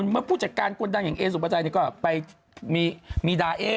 เมื่อผู้จัดการคนดังอย่างเอสุปชัยก็ไปมีดาเอ